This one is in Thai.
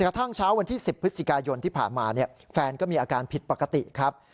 กระทั่งเช้าวันที่๑๐พฤศจิกายนที่ผ่านมาแฟนก็มีอาการผิดปกติครับ